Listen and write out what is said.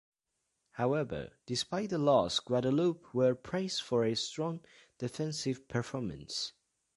However, despite the loss, Guadeloupe were praised for its strong defensive performance.